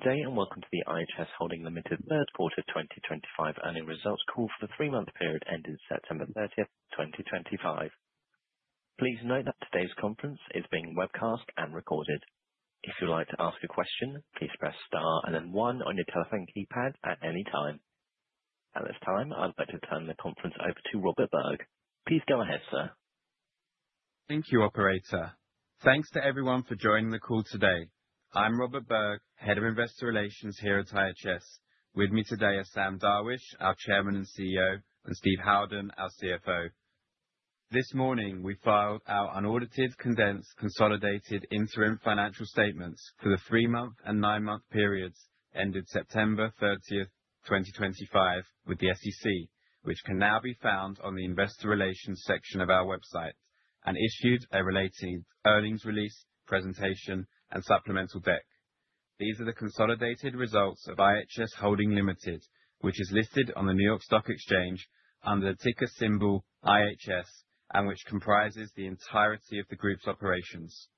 Good day and welcome to the IHS Holding Limited third quarter 2025 earnings results call for the three-month period ending September 30th, 2025. Please note that today's conference is being webcast and recorded. If you'd like to ask a question, please press star and then one on your telephone keypad at any time. At this time, I'd like to turn the conference over to Robert Berg. Please go ahead, sir. Thank you, Operator. Thanks to everyone for joining the call today. I'm Robert Berg, Head of Investor Relations here at IHS. With me today are Sam Darwish, our Chairman and CEO, and Steve Howden, our CFO. This morning, we filed our unaudited, condensed, consolidated interim financial statements for the three-month and nine-month periods ended September 30th, 2025, with the SEC, which can now be found on the Investor Relations section of our website, and issued a related earnings release, presentation, and supplemental deck. These are the consolidated results of IHS Holding Limited, which is listed on the New York Stock Exchange under the ticker symbol IHS, and which comprises the entirety of the group's operations.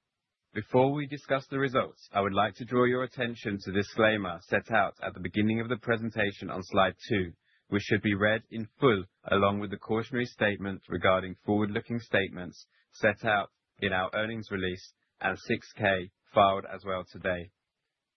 Before we discuss the results, I would like to draw your attention to the disclaimer set out at the beginning of the presentation on slide two, which should be read in full along with the cautionary statement regarding forward-looking statements set out in our earnings release and Form 6-K filed as well today.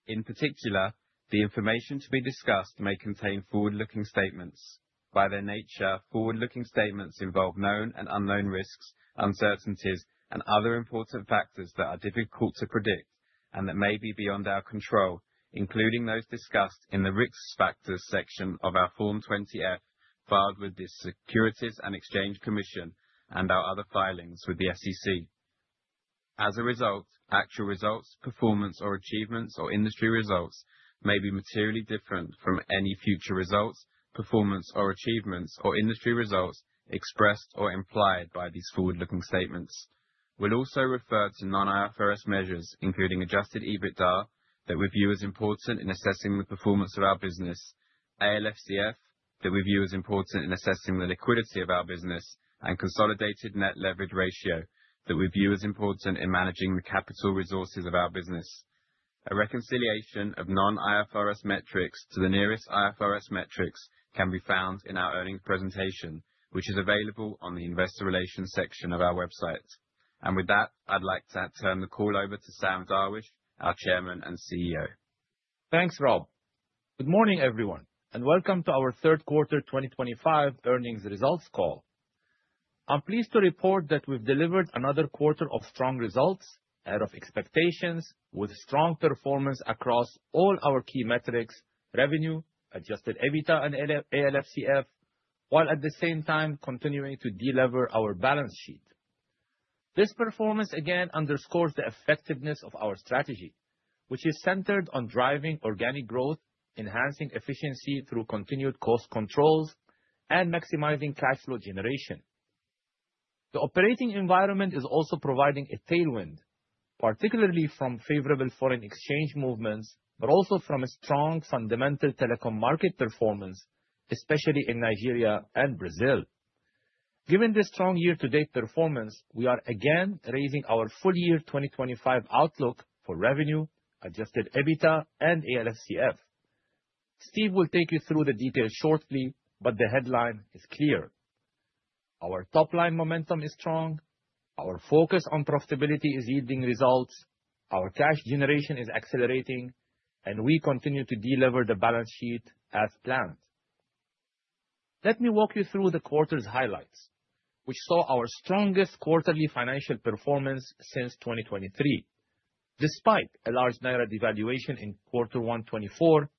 In particular, the information to be discussed may contain forward-looking statements. By their nature, forward-looking statements involve known and unknown risks, uncertainties, and other important factors that are difficult to predict and that may be beyond our control, including those discussed in the risk factors section of our Form 20-F filed with the Securities and Exchange Commission and our other filings with the SEC. As a result, actual results, performance, or achievements, or industry results may be materially different from any future results, performance, or achievements, or industry results expressed or implied by these forward-looking statements. We'll also refer to non-IFRS measures, including Adjusted EBITDA, that we view as important in assessing the performance of our business, ALFCF, that we view as important in assessing the liquidity of our business, and Consolidated Net Leverage Ratio, that we view as important in managing the capital resources of our business. A reconciliation of non-IFRS metrics to the nearest IFRS metrics can be found in our earnings presentation, which is available on the Investor Relations section of our website. And with that, I'd like to turn the call over to Sam Darwish, our Chairman and CEO. Thanks, Rob. Good morning, everyone, and welcome to our third quarter 2025 earnings results call. I'm pleased to report that we've delivered another quarter of strong results, ahead of expectations, with strong performance across all our key metrics: revenue, Adjusted EBITDA, and ALFCF, while at the same time continuing to delever our balance sheet. This performance again underscores the effectiveness of our strategy, which is centered on driving organic growth, enhancing efficiency through continued cost controls, and maximizing cash flow generation. The operating environment is also providing a tailwind, particularly from favorable foreign exchange movements, but also from a strong fundamental telecom market performance, especially in Nigeria and Brazil. Given this strong year-to-date performance, we are again raising our full year 2025 outlook for revenue, Adjusted EBITDA, and ALFCF. Steve will take you through the details shortly, but the headline is clear. Our top-line momentum is strong, our focus on profitability is yielding results, our cash generation is accelerating, and we continue to delever the balance sheet as planned. Let me walk you through the quarter's highlights, which saw our strongest quarterly financial performance since 2023, despite a large Naira devaluation in Q1 2024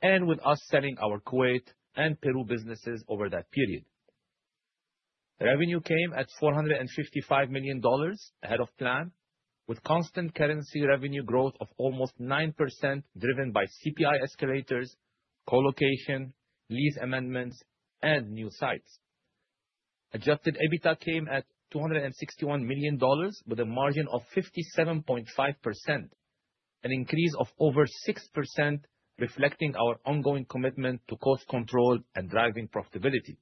and with us selling our Kuwait and Peru businesses over that period. Revenue came at $455 million, ahead of plan, with constant currency revenue growth of almost 9% driven by CPI escalators, colocation, lease amendments, and new sites. Adjusted EBITDA came at $261 million with a margin of 57.5%, an increase of over 6%, reflecting our ongoing commitment to cost control and driving profitability.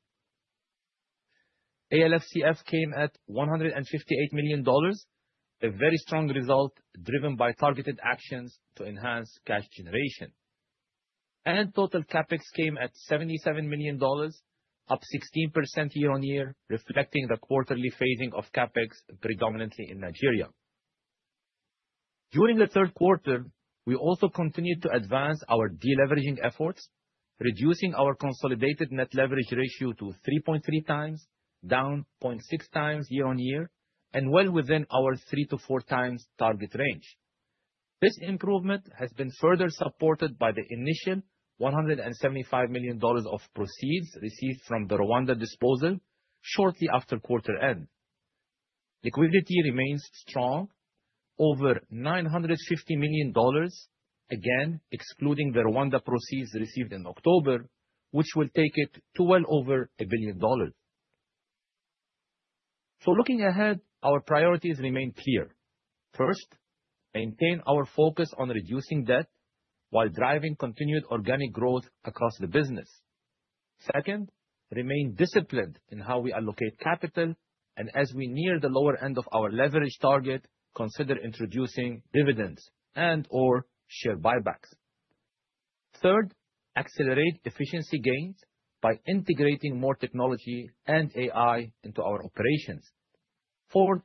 ALFCF came at $158 million, a very strong result driven by targeted actions to enhance cash generation. Total CapEx came at $77 million, up 16% year-on-year, reflecting the quarterly phasing of CapEx predominantly in Nigeria. During the third quarter, we also continued to advance our deleveraging efforts, reducing our consolidated net leverage ratio to 3.3 times, down 0.6 times year-on-year, and well within our three to four times target range. This improvement has been further supported by the initial $175 million of proceeds received from the Rwanda disposal shortly after quarter end. Liquidity remains strong, over $950 million, again excluding the Rwanda proceeds received in October, which will take it to well over $1 billion. Looking ahead, our priorities remain clear. First, maintain our focus on reducing debt while driving continued organic growth across the business. Second, remain disciplined in how we allocate capital, and as we near the lower end of our leverage target, consider introducing dividends and/or share buybacks. Third, accelerate efficiency gains by integrating more technology and AI into our operations. Fourth,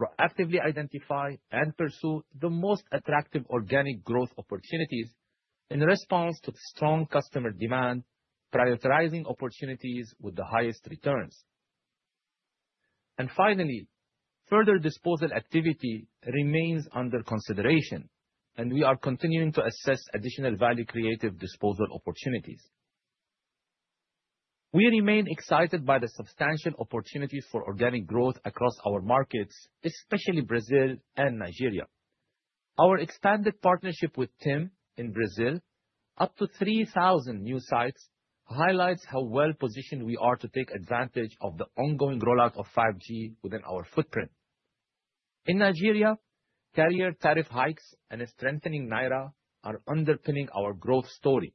proactively identify and pursue the most attractive organic growth opportunities in response to strong customer demand, prioritizing opportunities with the highest returns. And finally, further disposal activity remains under consideration, and we are continuing to assess additional value-creative disposal opportunities. We remain excited by the substantial opportunities for organic growth across our markets, especially Brazil and Nigeria. Our expanded partnership with TIM in Brazil, up to 3,000 new sites, highlights how well-positioned we are to take advantage of the ongoing rollout of 5G within our footprint. In Nigeria, carrier tariff hikes and a strengthening Naira are underpinning our growth story.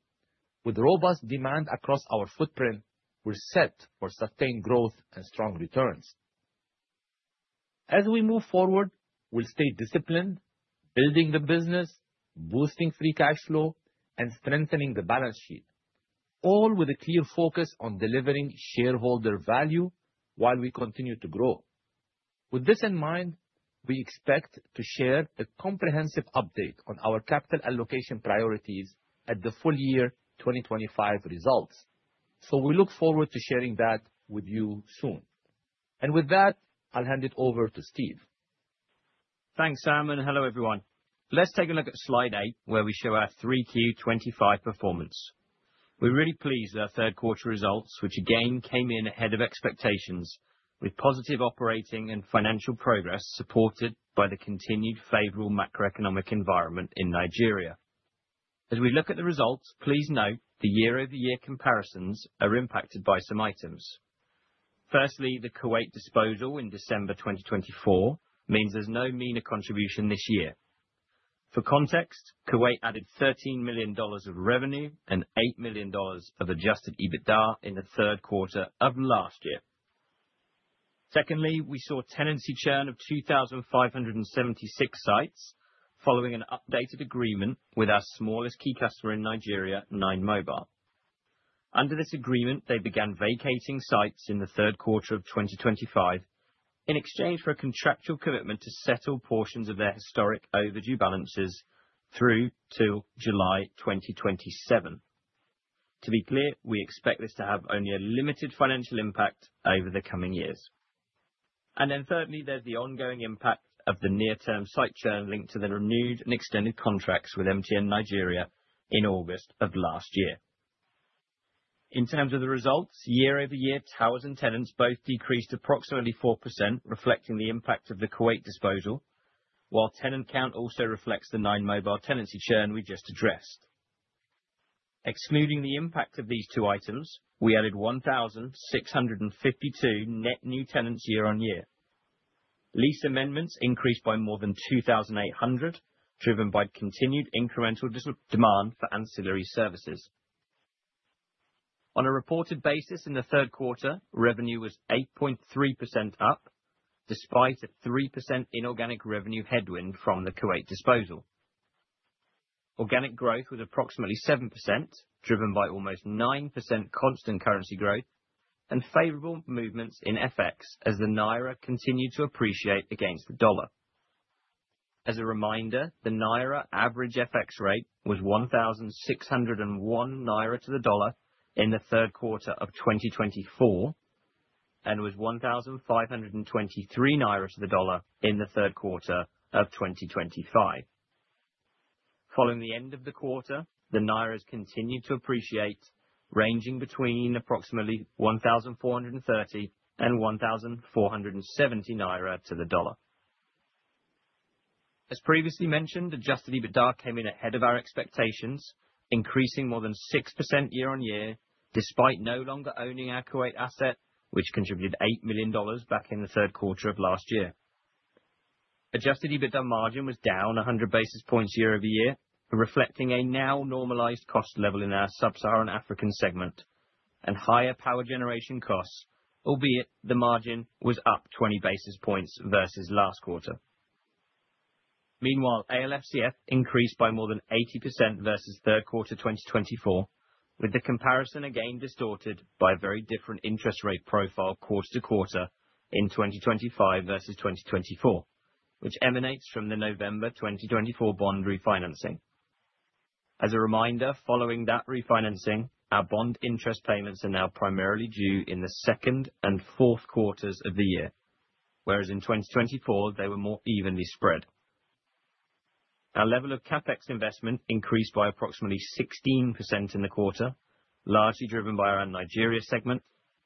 With robust demand across our footprint, we're set for sustained growth and strong returns. As we move forward, we'll stay disciplined, building the business, boosting free cash flow, and strengthening the balance sheet, all with a clear focus on delivering shareholder value while we continue to grow. With this in mind, we expect to share a comprehensive update on our capital allocation priorities at the full year 2025 results. So we look forward to sharing that with you soon. And with that, I'll hand it over to Steve. Thanks, Sam, and hello, everyone. Let's take a look at slide eight, where we show our 3Q25 performance. We're really pleased with our third quarter results, which again came in ahead of expectations, with positive operating and financial progress supported by the continued favorable macroeconomic environment in Nigeria. As we look at the results, please note the year-over-year comparisons are impacted by some items. Firstly, the Kuwait disposal in December 2024 means there's no MENA contribution this year. For context, Kuwait added $13 million of revenue and $8 million of Adjusted EBITDA in the third quarter of last year. Secondly, we saw a tenancy churn of 2,576 sites following an updated agreement with our smallest key customer in Nigeria, 9mobile. Under this agreement, they began vacating sites in the third quarter of 2025 in exchange for a contractual commitment to settle portions of their historic overdue balances through to July 2027. To be clear, we expect this to have only a limited financial impact over the coming years. And then thirdly, there's the ongoing impact of the near-term site churn linked to the renewed and extended contracts with MTN Nigeria in August of last year. In terms of the results, year-over-year, towers and tenants both decreased approximately 4%, reflecting the impact of the Kuwait disposal, while tenant count also reflects the 9mobile tenancy churn we just addressed. Excluding the impact of these two items, we added 1,652 net new tenants year-on-year. Lease amendments increased by more than 2,800, driven by continued incremental demand for ancillary services. On a reported basis, in the third quarter, revenue was 8.3% up, despite a 3% inorganic revenue headwind from the Kuwait disposal. Organic growth was approximately 7%, driven by almost 9% constant currency growth and favorable movements in FX as the Naira continued to appreciate against the dollar. As a reminder, the Naira average FX rate was 1,601 Naira to the dollar in the third quarter of 2024 and was 1,523 Naira to the dollar in the third quarter of 2025. Following the end of the quarter, the Naira has continued to appreciate, ranging between approximately 1,430 and 1,470 Naira to the dollar. As previously mentioned, adjusted EBITDA came in ahead of our expectations, increasing more than 6% year-on-year, despite no longer owning our Kuwait asset, which contributed $8 million back in the third quarter of last year. Adjusted EBITDA margin was down 100 basis points year-over-year, reflecting a now normalized cost level in our Sub-Saharan African segment and higher power generation costs, albeit the margin was up 20 basis points versus last quarter. Meanwhile, ALFCF increased by more than 80% versus third quarter 2024, with the comparison again distorted by a very different interest rate profile quarter to quarter in 2025 versus 2024, which emanates from the November 2024 bond refinancing. As a reminder, following that refinancing, our bond interest payments are now primarily due in the second and fourth quarters of the year, whereas in 2024, they were more evenly spread. Our level of CapEx investment increased by approximately 16% in the quarter, largely driven by our Nigeria segment,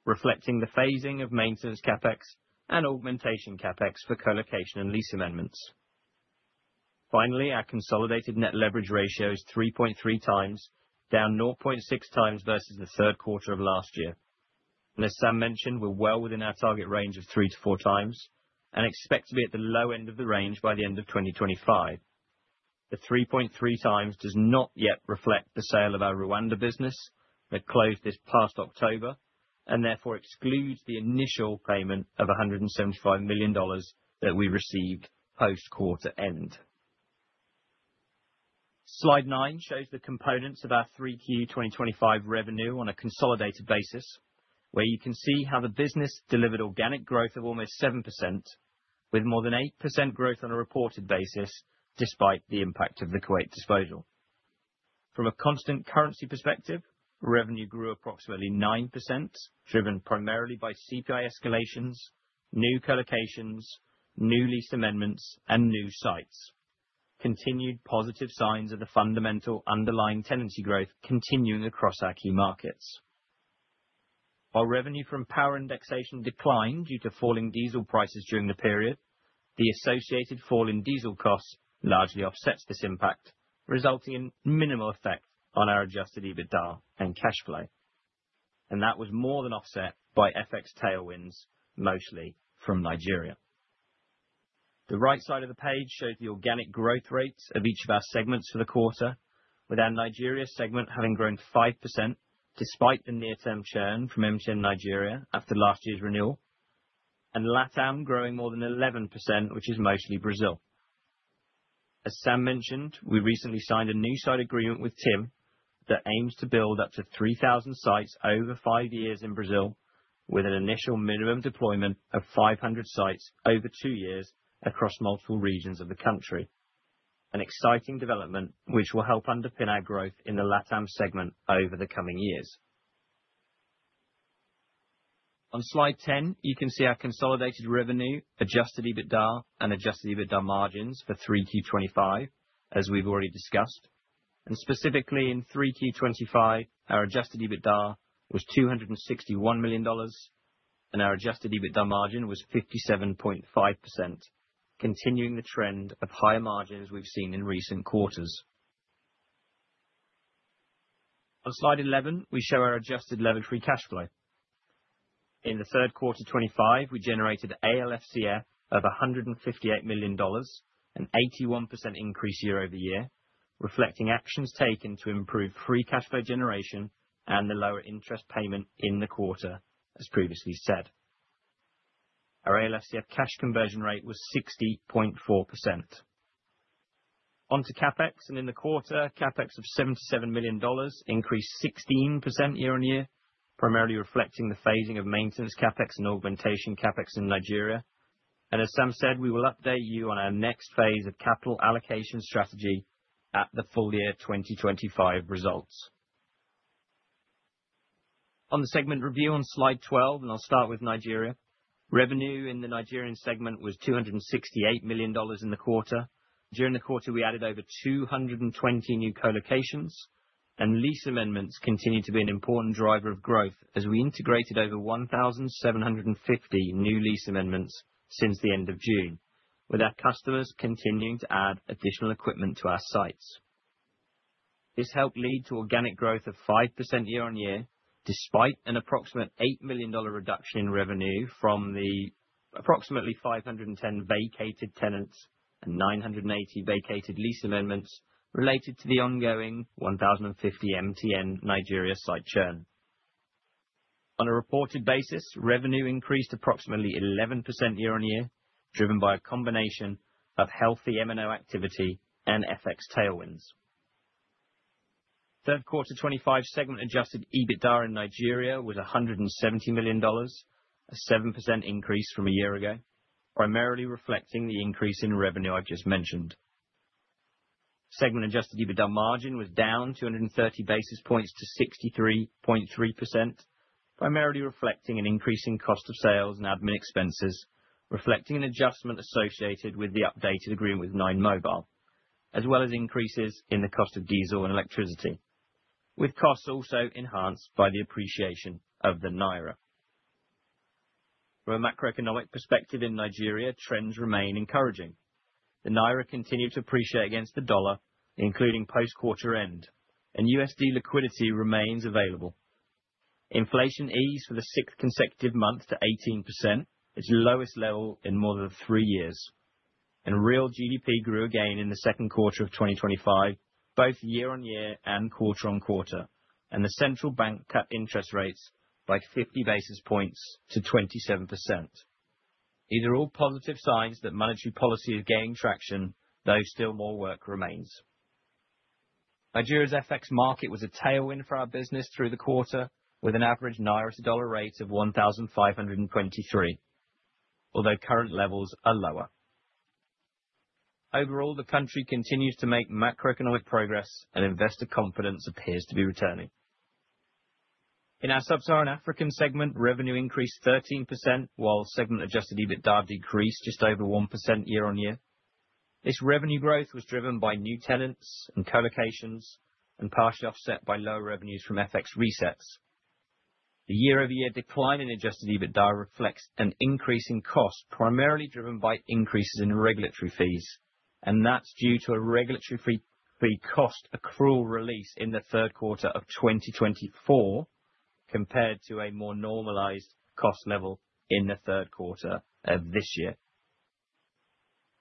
reflecting the phasing of maintenance CapEx and augmentation CapEx for colocation and lease amendments. Finally, our consolidated net leverage ratio is 3.3 times, down 0.6 times versus the third quarter of last year. And as Sam mentioned, we're well within our target range of three to four times and expect to be at the low end of the range by the end of 2025. The 3.3 times does not yet reflect the sale of our Rwanda business that closed this past October and therefore excludes the initial payment of $175 million that we received post-quarter end. Slide nine shows the components of our 3Q 2025 revenue on a consolidated basis, where you can see how the business delivered organic growth of almost 7%, with more than 8% growth on a reported basis, despite the impact of the Kuwait disposal. From a constant currency perspective, revenue grew approximately 9%, driven primarily by CPI escalations, new colocations, new lease amendments, and new sites. Continued positive signs of the fundamental underlying tenancy growth continuing across our key markets. While revenue from power indexation declined due to falling diesel prices during the period, the associated fall in diesel costs largely offsets this impact, resulting in minimal effect on our Adjusted EBITDA and cash flow. And that was more than offset by FX tailwinds, mostly from Nigeria. The right side of the page shows the organic growth rates of each of our segments for the quarter, with our Nigeria segment having grown 5% despite the near-term churn from MTN Nigeria after last year's renewal, and LATAM growing more than 11%, which is mostly Brazil. As Sam mentioned, we recently signed a new site agreement with TIM that aims to build up to 3,000 sites over five years in Brazil, with an initial minimum deployment of 500 sites over two years across multiple regions of the country. An exciting development, which will help underpin our growth in the LATAM segment over the coming years. On slide 10, you can see our consolidated revenue, adjusted EBITDA, and adjusted EBITDA margins for 3Q 2025, as we've already discussed. Specifically in 3Q 2025, our adjusted EBITDA was $261 million, and our adjusted EBITDA margin was 57.5%, continuing the trend of higher margins we've seen in recent quarters. On slide 11, we show our adjusted levered free cash flow. In the third quarter 2025, we generated ALFCF of $158 million, an 81% increase year-over-year, reflecting actions taken to improve free cash flow generation and the lower interest payment in the quarter, as previously said. Our ALFCF cash conversion rate was 60.4%. Onto CapEx. In the quarter, CapEx of $77 million increased 16% year-on-year, primarily reflecting the phasing of maintenance CapEx and augmentation CapEx in Nigeria. As Sam said, we will update you on our next phase of capital allocation strategy at the full year 2025 results. On the segment review on slide 12, and I'll start with Nigeria. Revenue in the Nigerian segment was $268 million in the quarter. During the quarter, we added over 220 new colocations, and lease amendments continued to be an important driver of growth as we integrated over 1,750 new lease amendments since the end of June, with our customers continuing to add additional equipment to our sites. This helped lead to organic growth of 5% year-on-year, despite an approximate $8 million reduction in revenue from the approximately 510 vacated tenants and 980 vacated lease amendments related to the ongoing 1,050 MTN Nigeria site churn. On a reported basis, revenue increased approximately 11% year-on-year, driven by a combination of healthy M&O activity and FX tailwinds. Third quarter 2025 segment adjusted EBITDA in Nigeria was $170 million, a 7% increase from a year ago, primarily reflecting the increase in revenue I've just mentioned. Segment adjusted EBITDA margin was down 230 basis points to 63.3%, primarily reflecting an increase in cost of sales and admin expenses, reflecting an adjustment associated with the updated agreement with 9mobile, as well as increases in the cost of diesel and electricity, with costs also enhanced by the appreciation of the Naira. From a macroeconomic perspective in Nigeria, trends remain encouraging. The Naira continued to appreciate against the dollar, including post-quarter end, and USD liquidity remains available. Inflation eased for the sixth consecutive month to 18%, its lowest level in more than three years, and real GDP grew again in the second quarter of 2025, both year-on-year and quarter-on-quarter, and the central bank cut interest rates by 50 basis points to 27%. These are all positive signs that monetary policy is gaining traction, though still more work remains. Nigeria's FX market was a tailwind for our business through the quarter, with an average Naira to dollar rate of 1,523, although current levels are lower. Overall, the country continues to make macroeconomic progress, and investor confidence appears to be returning. In our Sub-Saharan Africa segment, revenue increased 13%, while segment Adjusted EBITDA decreased just over 1% year-on-year. This revenue growth was driven by new tenants and colocations and partially offset by low revenues from FX resets. The year-over-year decline in Adjusted EBITDA reflects an increase in costs primarily driven by increases in regulatory fees, and that's due to a regulatory fee cost accrual release in the third quarter of 2024 compared to a more normalized cost level in the third quarter of this year.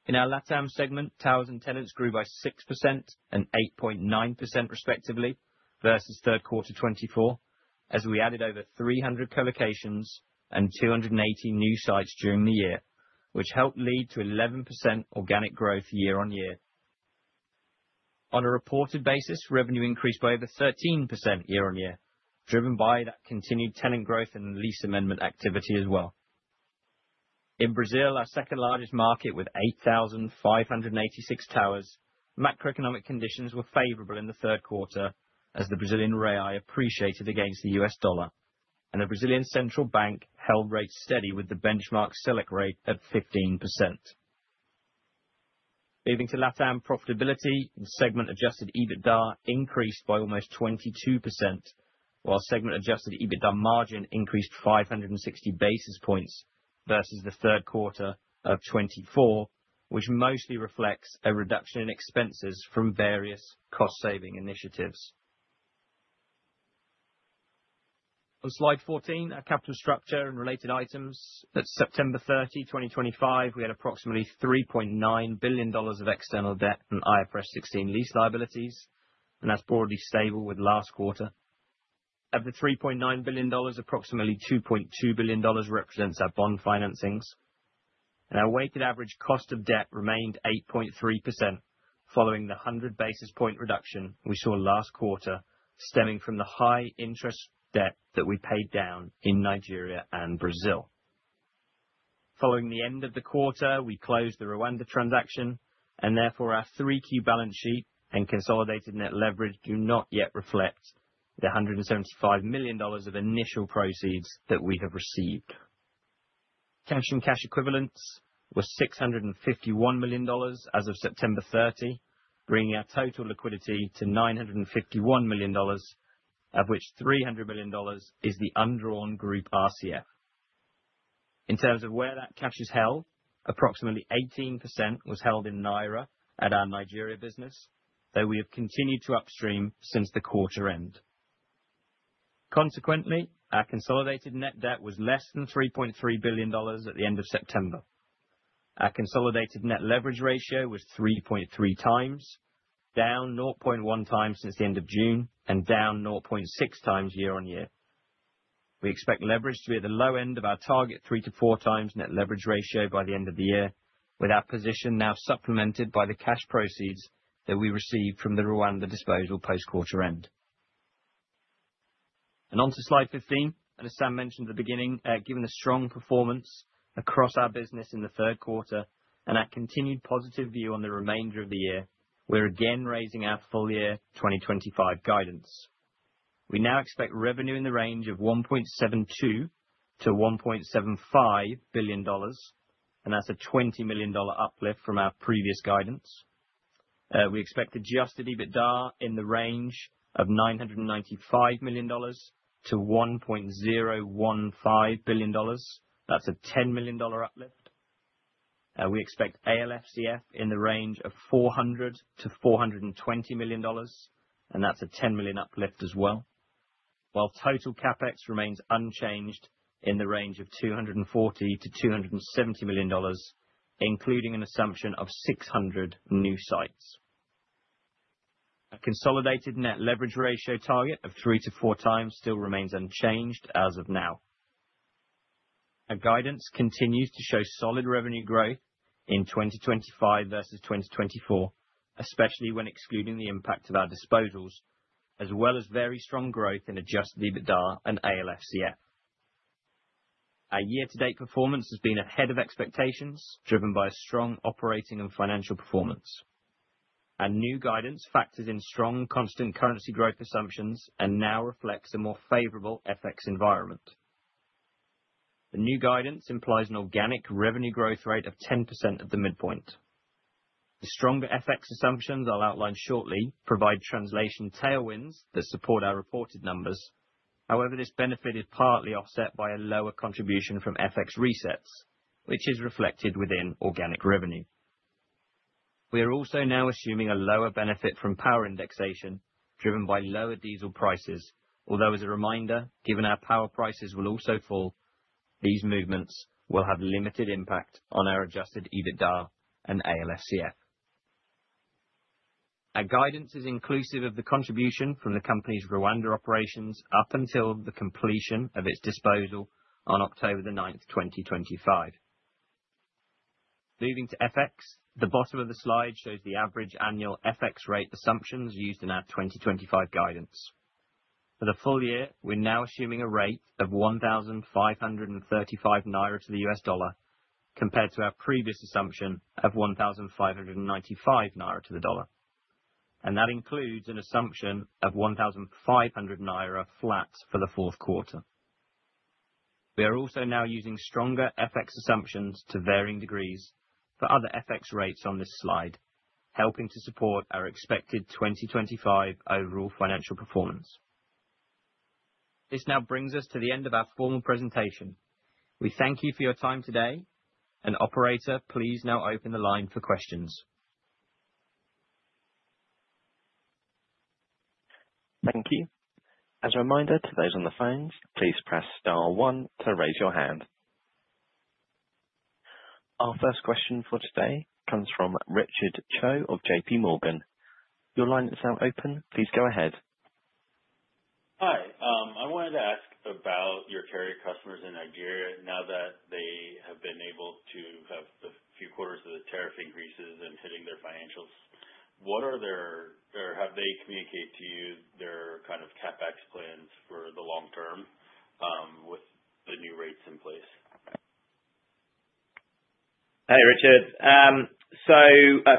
In our LATAM segment, towers and tenants grew by 6% and 8.9% respectively versus third quarter 2024, as we added over 300 colocations and 280 new sites during the year, which helped lead to 11% organic growth year-on-year. On a reported basis, revenue increased by over 13% year-on-year, driven by that continued tenant growth and lease amendment activity as well. In Brazil, our second largest market with 8,586 towers, macroeconomic conditions were favorable in the third quarter as the Brazilian Real appreciated against the U.S. dollar, and the Brazilian central bank held rates steady with the benchmark Selic rate at 15%. Moving to LATAM profitability, segment Adjusted EBITDA increased by almost 22%, while segment Adjusted EBITDA margin increased 560 basis points versus the third quarter of 2024, which mostly reflects a reduction in expenses from various cost-saving initiatives. On slide 14, our capital structure and related items, at September 30, 2025, we had approximately $3.9 billion of external debt and IFRS 16 lease liabilities, and that's broadly stable with last quarter. Of the $3.9 billion, approximately $2.2 billion represents our bond financings. And our weighted average cost of debt remained 8.3%, following the 100 basis point reduction we saw last quarter, stemming from the high interest debt that we paid down in Nigeria and Brazil. Following the end of the quarter, we closed the Rwanda transaction, and therefore our Q3 balance sheet and consolidated net leverage do not yet reflect the $175 million of initial proceeds that we have received. Cash and cash equivalents were $651 million as of September 30, bringing our total liquidity to $951 million, of which $300 million is the undrawn group RCF. In terms of where that cash is held, approximately 18% was held in Naira at our Nigeria business, though we have continued to upstream since the quarter end. Consequently, our consolidated net debt was less than $3.3 billion at the end of September. Our consolidated net leverage ratio was 3.3 times, down 0.1 times since the end of June, and down 0.6 times year-on-year. We expect leverage to be at the low end of our target three to four times net leverage ratio by the end of the year, with our position now supplemented by the cash proceeds that we received from the Rwanda disposal post-quarter end, and onto slide 15, and as Sam mentioned at the beginning, given the strong performance across our business in the third quarter and our continued positive view on the remainder of the year, we're again raising our full year 2025 guidance. We now expect revenue in the range of $1.72 billion-$1.75 billion, and that's a $20 million uplift from our previous guidance. We expect Adjusted EBITDA in the range of $995 million-$1.015 billion. That's a $10 million uplift. We expect ALFCF in the range of $400 million-$420 million, and that's a $10 million uplift as well, while total CapEx remains unchanged in the range of $240 million-$270 million, including an assumption of 600 new sites. Our consolidated net leverage ratio target of three to four times still remains unchanged as of now. Our guidance continues to show solid revenue growth in 2025 versus 2024, especially when excluding the impact of our disposals, as well as very strong growth in Adjusted EBITDA and ALFCF. Our year-to-date performance has been ahead of expectations, driven by a strong operating and financial performance. Our new guidance factors in strong constant currency growth assumptions and now reflects a more favorable FX environment. The new guidance implies an organic revenue growth rate of 10% at the midpoint. The stronger FX assumptions I'll outline shortly provide translation tailwinds that support our reported numbers. However, this benefit is partly offset by a lower contribution from FX resets, which is reflected within organic revenue. We are also now assuming a lower benefit from power indexation driven by lower diesel prices, although as a reminder, given our power prices will also fall, these movements will have limited impact on our adjusted EBITDA and ALFCF. Our guidance is inclusive of the contribution from the company's Rwanda operations up until the completion of its disposal on October 9th, 2025. Moving to FX, the bottom of the slide shows the average annual FX rate assumptions used in our 2025 guidance. For the full year, we're now assuming a rate of 1,535 naira to the $1 compared to our previous assumption of 1,595 naira to the $1, and that includes an assumption of 1,500 naira flat for the fourth quarter. We are also now using stronger FX assumptions to varying degrees for other FX rates on this slide, helping to support our expected 2025 overall financial performance. This now brings us to the end of our formal presentation. We thank you for your time today, and Operator, please now open the line for questions. Thank you. As a reminder to those on the phones, please press star one to raise your hand. Our first question for today comes from Richard Choe of J.P. Morgan. Your line is now open. Please go ahead. Hi. I wanted to ask about your carrier customers in Nigeria now that they have been able to have the few quarters of the tariff increases and hitting their financials. What are their, or have they communicated to you their kind of CapEx plans for the long term with the new rates in place? Hi Richard. So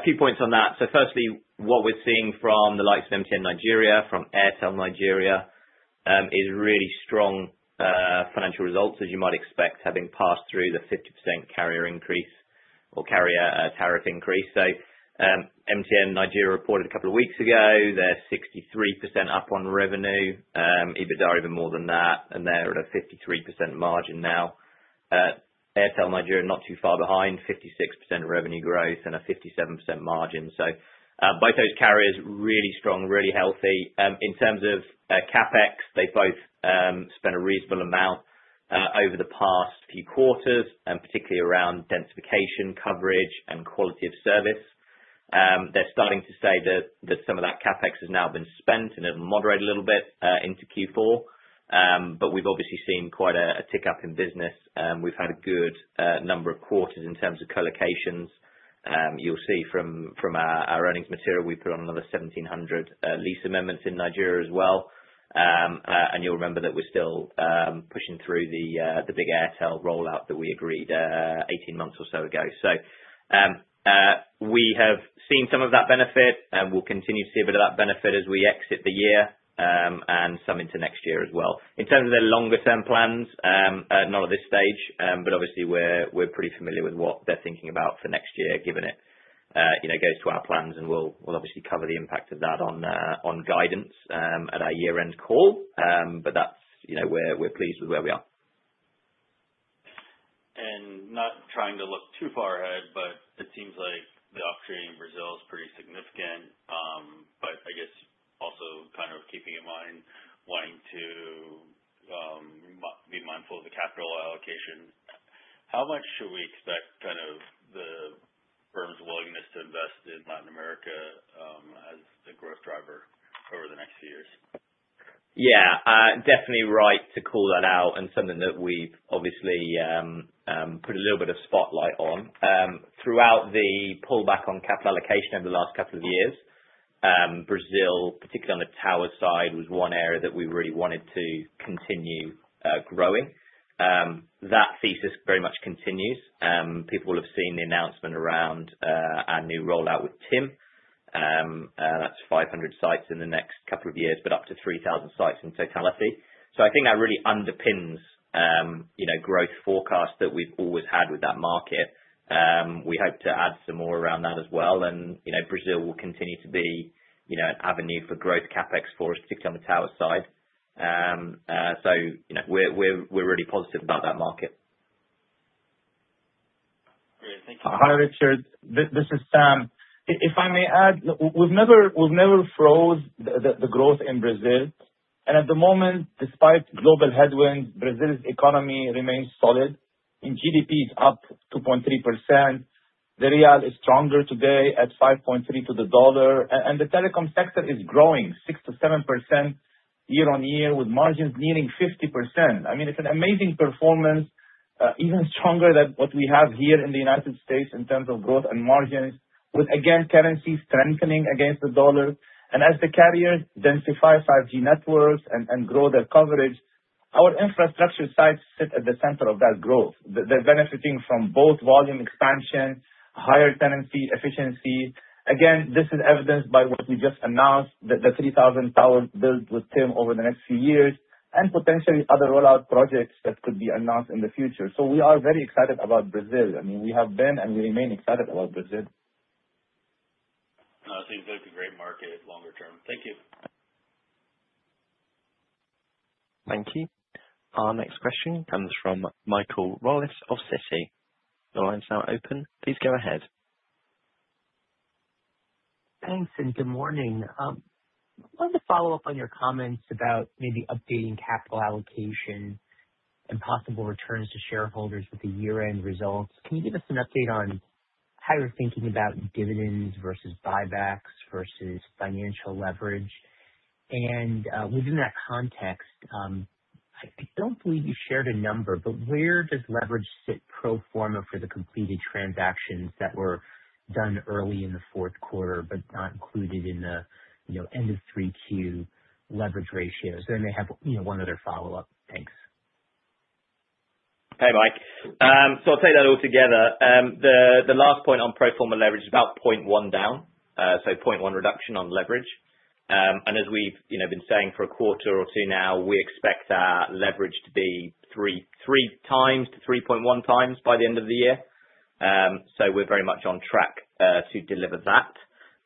a few points on that. So firstly, what we're seeing from the likes of MTN Nigeria, from Airtel Nigeria, is really strong financial results, as you might expect, having passed through the 50% carrier increase or carrier tariff increase. So MTN Nigeria reported a couple of weeks ago, they're 63% up on revenue, EBITDA even more than that, and they're at a 53% margin now. Airtel Nigeria not too far behind, 56% revenue growth and a 57% margin. So both those carriers really strong, really healthy. In terms of CapEx, they've both spent a reasonable amount over the past few quarters, and particularly around densification, coverage, and quality of service. They're starting to say that some of that CapEx has now been spent and it'll moderate a little bit into Q4, but we've obviously seen quite a tick up in business. We've had a good number of quarters in terms of colocations. You'll see from our earnings material, we put on another 1,700 lease amendments in Nigeria as well. And you'll remember that we're still pushing through the big Airtel rollout that we agreed 18 months or so ago. So we have seen some of that benefit, and we'll continue to see a bit of that benefit as we exit the year and some into next year as well. In terms of their longer-term plans, not at this stage, but obviously we're pretty familiar with what they're thinking about for next year, given it goes to our plans, and we'll obviously cover the impact of that on guidance at our year-end call, but that's where we're pleased with where we are. And not trying to look too far ahead, but it seems like the uptrend in Brazil is pretty significant, but I guess also kind of keeping in mind wanting to be mindful of the capital allocation. How much should we expect kind of the firm's willingness to invest in Latin America as a growth driver over the next few years? Yeah, definitely right to call that out and something that we've obviously put a little bit of spotlight on. Throughout the pullback on capital allocation over the last couple of years, Brazil, particularly on the tower side, was one area that we really wanted to continue growing. That thesis very much continues. People will have seen the announcement around our new rollout with Tim. That's 500 sites in the next couple of years, but up to 3,000 sites in totality. So I think that really underpins growth forecasts that we've always had with that market. We hope to add some more around that as well, and Brazil will continue to be an avenue for growth CapEx for us, particularly on the tower side. So we're really positive about that market. Great. Thank you. Hi Richard. This is Sam. If I may add, we've never froze the growth in Brazil. And at the moment, despite global headwinds, Brazil's economy remains solid, and GDP is up 2.3%. The Real is stronger today at 5.3 to the dollar, and the telecom sector is growing 6%-7% year-on-year with margins nearing 50%. I mean, it's an amazing performance, even stronger than what we have here in the United States in terms of growth and margins, with, again, currency strengthening against the dollar, and as the carriers densify 5G networks and grow their coverage, our infrastructure sites sit at the center of that growth. They're benefiting from both volume expansion, higher tenancy efficiency. Again, this is evidenced by what we just announced, the 3,000 towers built with TIM over the next few years, and potentially other rollout projects that could be announced in the future, so we are very excited about Brazil. I mean, we have been and we remain excited about Brazil. I think that'd be a great market longer term. Thank you. Thank you. Our next question comes from Michael Rollins of Citi. The line's now open. Please go ahead. Thanks and good morning. I wanted to follow up on your comments about maybe updating capital allocation and possible returns to shareholders with the year-end results. Can you give us an update on how you're thinking about dividends versus buybacks versus financial leverage? And within that context, I don't believe you shared a number, but where does leverage sit pro forma for the completed transactions that were done early in the fourth quarter, but not included in the end of 3Q leverage ratios? And they have one other follow-up. Thanks. Hey, Mike. So I'll take that all together. The last point on pro forma leverage is about 0.1 down, so 0.1 reduction on leverage. As we've been saying for a quarter or two now, we expect our leverage to be three times to 3.1 times by the end of the year. So we're very much on track to deliver that.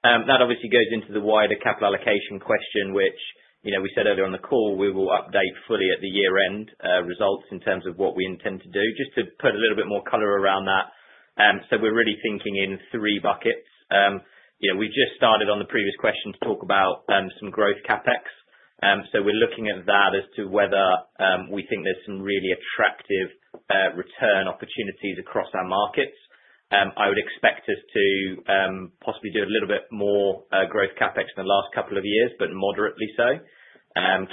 That obviously goes into the wider capital allocation question, which we said earlier on the call. We will update fully at the year-end results in terms of what we intend to do. Just to put a little bit more color around that, so we're really thinking in three buckets. We just started on the previous question to talk about some growth CapEx. So we're looking at that as to whether we think there's some really attractive return opportunities across our markets. I would expect us to possibly do a little bit more growth CapEx in the last couple of years, but moderately so,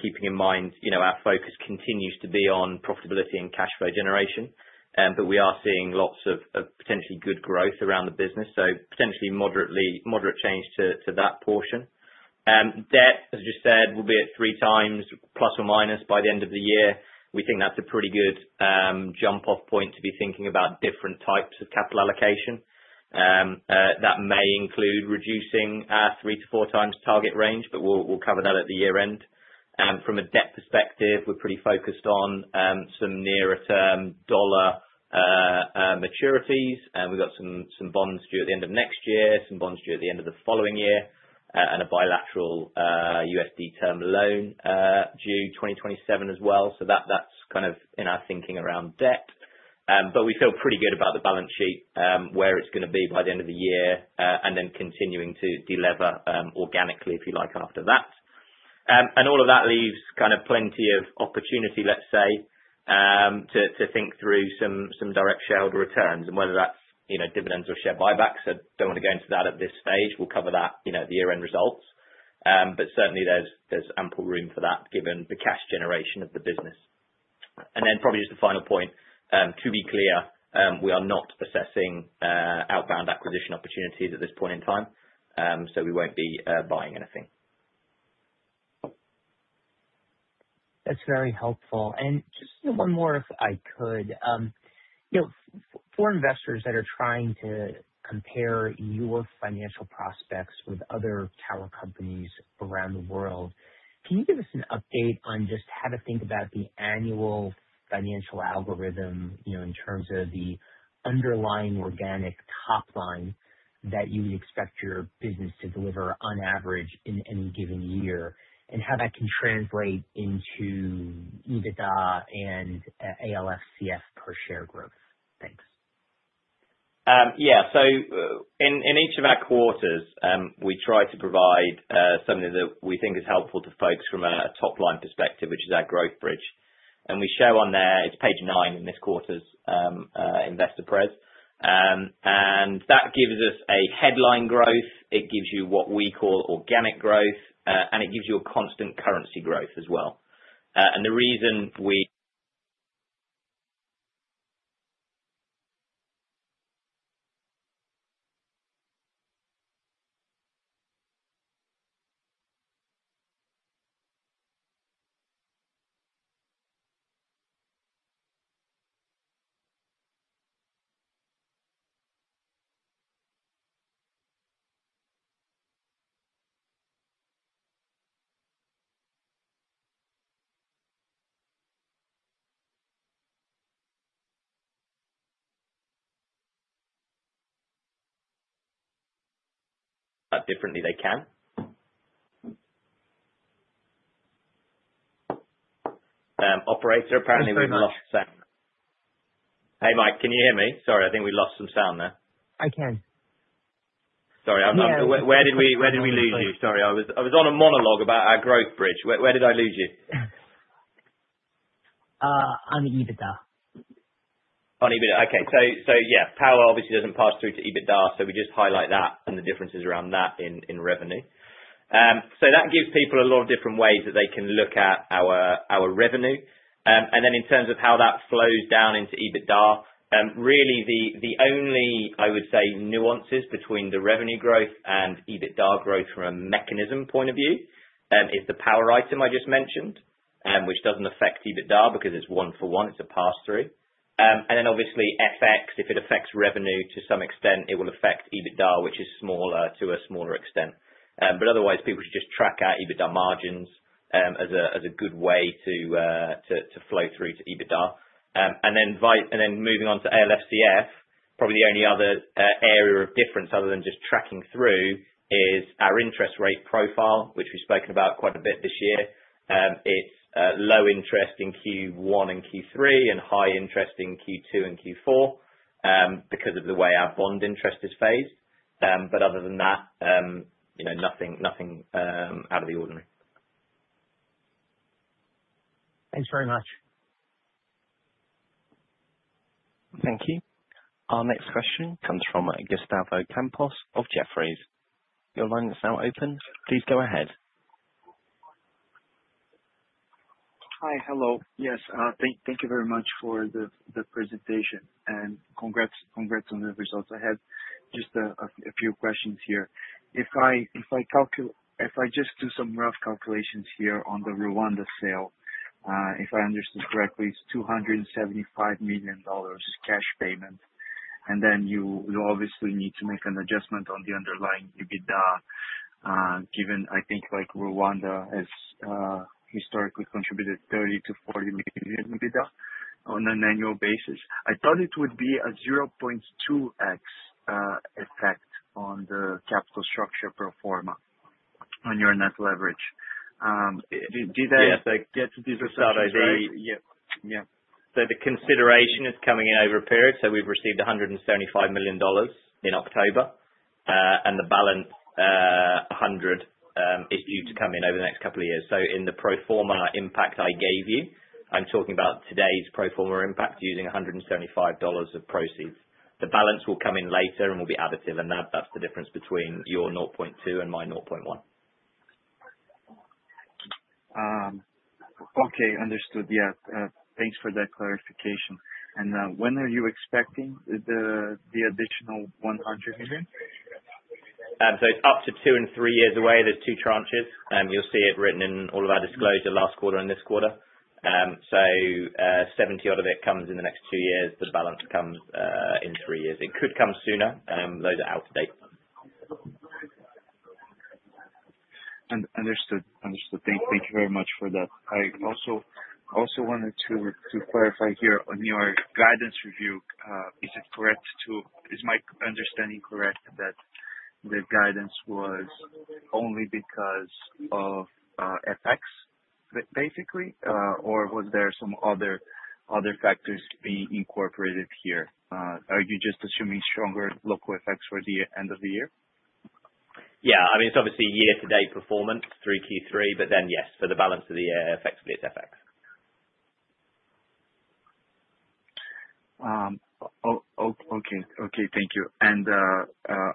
keeping in mind our focus continues to be on profitability and cash flow generation. But we are seeing lots of potentially good growth around the business, so potentially moderate change to that portion. Debt, as you said, will be at three times plus or minus by the end of the year. We think that's a pretty good jump-off point to be thinking about different types of capital allocation. That may include reducing our three to four times target range, but we'll cover that at the year-end. From a debt perspective, we're pretty focused on some nearer-term dollar maturities. We've got some bonds due at the end of next year, some bonds due at the end of the following year, and a bilateral USD term loan due 2027 as well. So that's kind of in our thinking around debt. But we feel pretty good about the balance sheet, where it's going to be by the end of the year, and then continuing to deliver organically, if you like, after that. And all of that leaves kind of plenty of opportunity, let's say, to think through some direct shareholder returns and whether that's dividends or share buybacks. I don't want to go into that at this stage. We'll cover that at the year-end results. But certainly, there's ample room for that given the cash generation of the business. And then probably just a final point. To be clear, we are not assessing outbound acquisition opportunities at this point in time, so we won't be buying anything. That's very helpful. And just one more, if I could. For investors that are trying to compare your financial prospects with other tower companies around the world, can you give us an update on just how to think about the annual financial algorithm in terms of the underlying organic top line that you would expect your business to deliver on average in any given year, and how that can translate into EBITDA and ALFCF per share growth? Thanks. Yeah. So in each of our quarters, we try to provide something that we think is helpful to folks from a top-line perspective, which is our growth bridge. And we show on there, it's page nine in this quarter's investor presentation. And that gives us a headline growth. It gives you what we call organic growth, and it gives you a constant currency growth as well, and the reason we differently they can. Operator, apparently we've lost sound. Hey, Mike, can you hear me? Sorry, I think we lost some sound there. I can. Sorry. Where did we lose you? Sorry. I was on a monologue about our growth bridge. Where did I lose you? On EBITDA. On EBITDA. Okay, so yeah, power obviously doesn't pass through to EBITDA, so we just highlight that and the differences around that in revenue, so that gives people a lot of different ways that they can look at our revenue. And then in terms of how that flows down into EBITDA, really the only, I would say, nuances between the revenue growth and EBITDA growth from a mechanism point of view is the power item I just mentioned, which doesn't affect EBITDA because it's one for one. It's a pass-through. And then obviously FX, if it affects revenue to some extent, it will affect EBITDA, which is smaller to a smaller extent. But otherwise, people should just track our EBITDA margins as a good way to flow through to EBITDA. And then moving on to ALFCF, probably the only other area of difference other than just tracking through is our interest rate profile, which we've spoken about quite a bit this year. It's low interest in Q1 and Q3 and high interest in Q2 and Q4 because of the way our bond interest is phased. But other than that, nothing out of the ordinary. Thanks very much. Thank you. Our next question comes from Gustavo Campos of Jefferies. Your line is now open. Please go ahead. Hi, hello. Yes, thank you very much for the presentation. And congrats on the results. I have just a few questions here. If I just do some rough calculations here on the Rwanda sale, if I understood correctly, it's $275 million cash payment. And then you obviously need to make an adjustment on the underlying EBITDA, given I think Rwanda has historically contributed $30 million-$40 million EBITDA on an annual basis. I thought it would be a 0.2x effect on the capital structure pro forma on your net leverage. Did I? Yes, I get to this exactly. Yeah. So the consideration is coming in over a period. So we've received $175 million in October, and the balance, $100 million, is due to come in over the next couple of years. So in the pro forma impact I gave you, I'm talking about today's pro forma impact using $175 million of proceeds. The balance will come in later and will be additive. And that's the difference between your 0.2 and my 0.1. Okay, understood. Yeah. Thanks for that clarification. And when are you expecting the additional $100 million? So it's up to two and three years away. There's two tranches. You'll see it written in all of our disclosure last quarter and this quarter. So $70 million out of it comes in the next two years. The balance comes in three years. It could come sooner. Those are outer dates. Understood. Understood. Thank you very much for that. I also wanted to clarify here on your guidance review. Is it correct? Is my understanding correct that the guidance was only because of FX, basically? Or was there some other factors being incorporated here? Are you just assuming stronger local effects for the end of the year? Yeah. I mean, it's obviously year-to-date performance through Q3. But then yes, for the balance of the year, effectively, it's FX. Okay. Okay. Thank you. And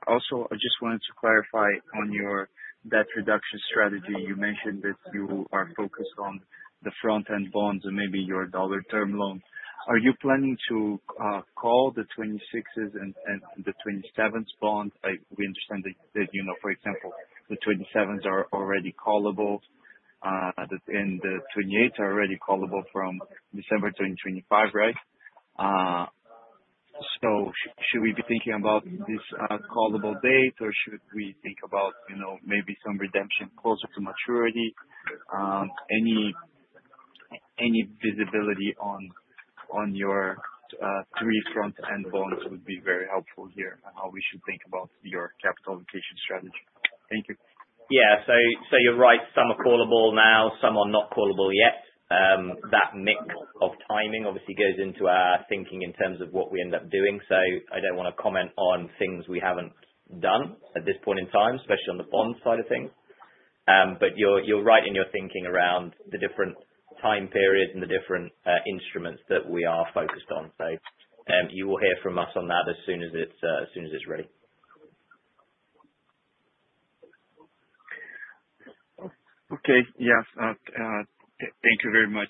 also, I just wanted to clarify on your debt reduction strategy. You mentioned that you are focused on the front-end bonds and maybe your dollar term loans. Are you planning to call the '26s and the '27s bond? We understand that, for example, the '27s are already callable and the '28s are already callable from December 2025, right? So should we be thinking about this callable date, or should we think about maybe some redemption closer to maturity? Any visibility on your three front-end bonds would be very helpful here on how we should think about your capital allocation strategy. Thank you. Yeah. So you're right. Some are callable now, some are not callable yet. That mix of timing obviously goes into our thinking in terms of what we end up doing. So I don't want to comment on things we haven't done at this point in time, especially on the bond side of things. But you're right in your thinking around the different time periods and the different instruments that we are focused on. So you will hear from us on that as soon as it's ready. Okay. Yes. Thank you very much.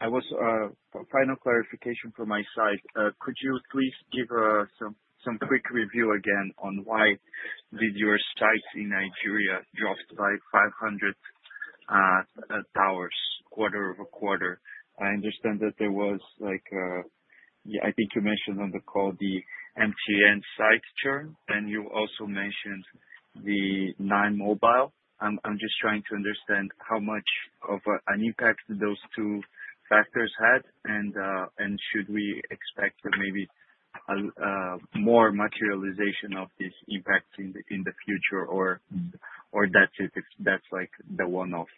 One final clarification from my side. Could you please give some quick review again on why your sites in Nigeria dropped by 500 towers quarter-over-quarter? I understand that there was, I think you mentioned on the call, the MTN site churn, and you also mentioned the 9mobile. I'm just trying to understand how much of an impact those two factors had, and should we expect maybe more materialization of these impacts in the future, or that's the one-off?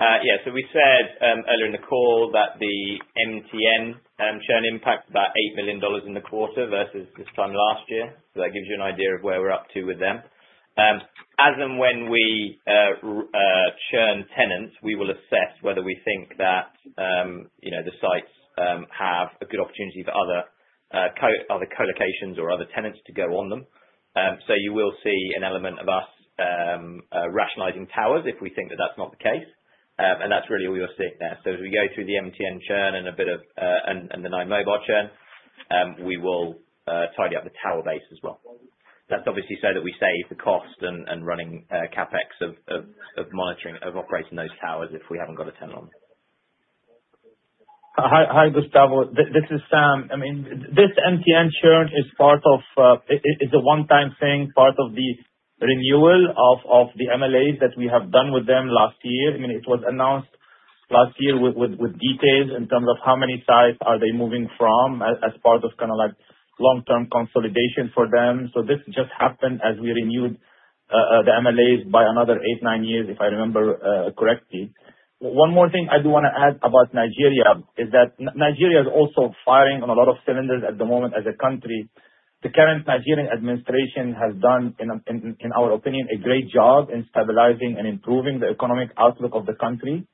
Yeah. So we said earlier in the call that the MTN churn impacted about $8 million in the quarter versus this time last year. So that gives you an idea of where we're up to with them. As and when we churn tenants, we will assess whether we think that the sites have a good opportunity for other colocations or other tenants to go on them. So you will see an element of us rationalizing towers if we think that that's not the case. And that's really all you're seeing there. As we go through the MTN churn and the 9mobile churn, we will tidy up the tower base as well. That's obviously so that we save the cost and running CapEx of operating those towers if we haven't got a tenant on them. Hi, Gustavo. This is Sam. I mean, this MTN churn is part of it. It's a one-time thing, part of the renewal of the MLAs that we have done with them last year. I mean, it was announced last year with details in terms of how many sites are they moving from as part of kind of long-term consolidation for them. So this just happened as we renewed the MLAs by another eight, nine years, if I remember correctly. One more thing I do want to add about Nigeria is that Nigeria is also firing on a lot of cylinders at the moment as a country. The current Nigerian administration has done, in our opinion, a great job in stabilizing and improving the economic outlook of the country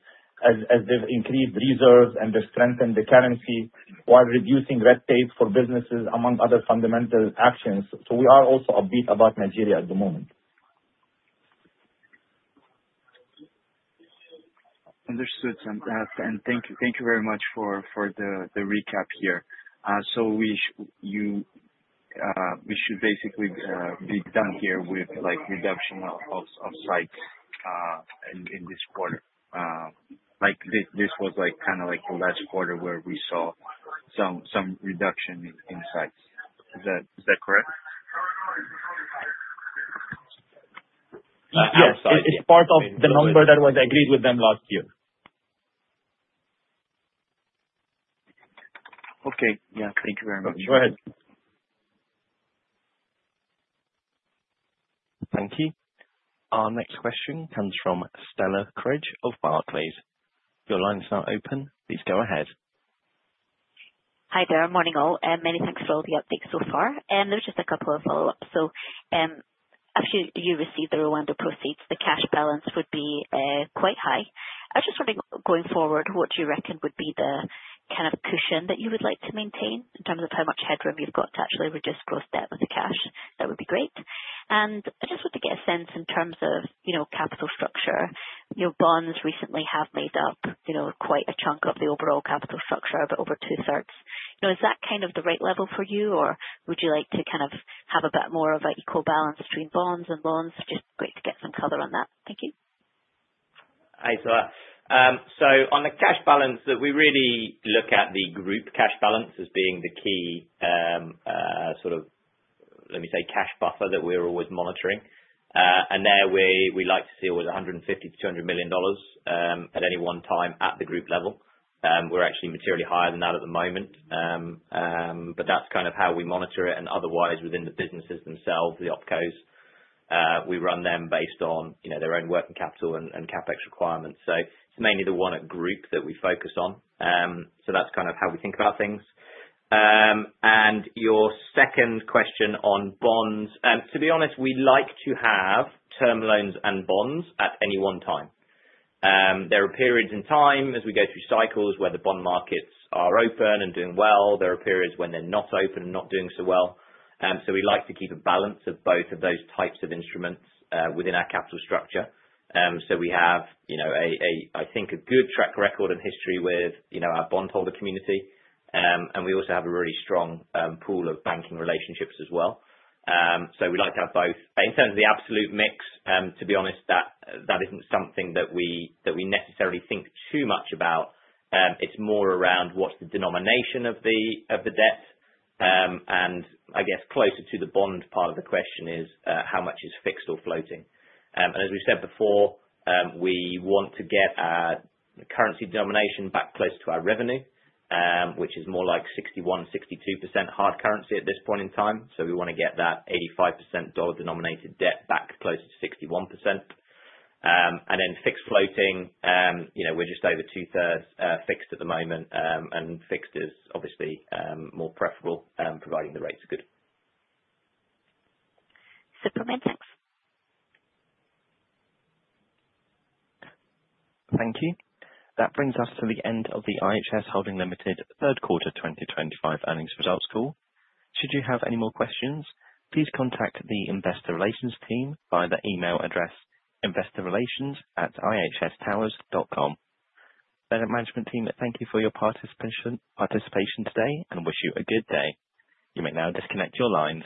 as they've increased reserves and they've strengthened the currency while reducing red tape for businesses, among other fundamental actions, so we are also upbeat about Nigeria at the moment. Understood, and thank you very much for the recap here, so we should basically be done here with reduction of sites in this quarter. This was kind of the last quarter where we saw some reduction in sites. Is that correct? Yes. It's part of the number that was agreed with them last year. Okay. Yeah. Thank you very much. Go ahead. Thank you. Our next question comes from Stella Cridge of Barclays. Your line is now open. Please go ahead. Hi there. Morning, all. Many thanks for all the updates so far. There were just a couple of follow-ups. So after you received the Rwanda proceeds, the cash balance would be quite high. I was just wondering, going forward, what do you reckon would be the kind of cushion that you would like to maintain in terms of how much headroom you've got to actually reduce gross debt with the cash? That would be great. And I just want to get a sense in terms of capital structure. Your bonds recently have made up quite a chunk of the overall capital structure, about over two-thirds. Is that kind of the right level for you, or would you like to kind of have a bit more of an equal balance between bonds and loans? Just great to get some color on that. Thank you. Hi, Stella. On the cash balance, we really look at the group cash balance as being the key sort of, let me say, cash buffer that we're always monitoring. There we like to see always $150 million-$200 million at any one time at the group level. We're actually materially higher than that at the moment. That's kind of how we monitor it. Otherwise, within the businesses themselves, the opcos, we run them based on their own working capital and CapEx requirements. It's mainly the one at group that we focus on. That's kind of how we think about things. Your second question on bonds, to be honest, we like to have term loans and bonds at any one time. There are periods in time as we go through cycles where the bond markets are open and doing well. There are periods when they're not open and not doing so well. So we like to keep a balance of both of those types of instruments within our capital structure. So we have, I think, a good track record and history with our bondholder community. And we also have a really strong pool of banking relationships as well. So we like to have both. In terms of the absolute mix, to be honest, that isn't something that we necessarily think too much about. It's more around what's the denomination of the debt. And I guess closer to the bond part of the question is how much is fixed or floating. And as we said before, we want to get our currency denomination back close to our revenue, which is more like 61%-62% hard currency at this point in time. So, we want to get that 85% dollar-denominated debt back close to 61%. And then fixed floating, we're just over two-thirds fixed at the moment. And fixed is obviously more preferable providing the rates are good. Thanks. Thank you. That brings us to the end of the IHS Holding Limited third quarter 2025 earnings results call. Should you have any more questions, please contact the investor relations team via the email address investorrelations@ihstowers.com. Management team, thank you for your participation today and wish you a good day. You may now disconnect your lines.